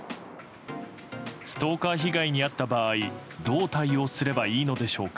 ストーカー被害に遭った場合どう対応すればいいのでしょうか。